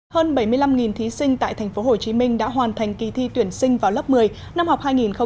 hơn bảy mươi năm thí sinh tại tp hcm đã hoàn thành kỳ thi tuyển sinh vào lớp một mươi năm học hai nghìn hai mươi hai nghìn hai mươi một